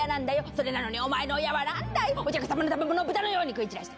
それなのに、お前の親はなんだい、お客様の食べ物を豚のように食い散らかして。